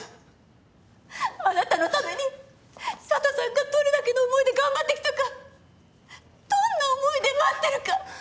あなたのために佐都さんがどれだけの思いで頑張ってきたかどんな思いで待ってるか！